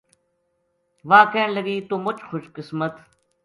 واہ کہن لگی توہ مُچ خوش قسمت